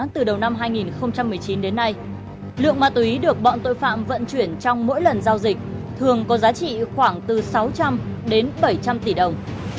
từ đầu năm hai nghìn một mươi chín đến nay lượng ma túy được bọn tội phạm vận chuyển trong mỗi lần giao dịch thường có giá trị khoảng từ sáu trăm linh đến bảy trăm linh tỷ đồng